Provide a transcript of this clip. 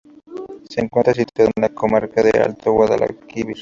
Se encuentra situado en la comarca del Alto Guadalquivir.